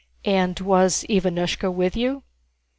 "And was Ivánushka with you?"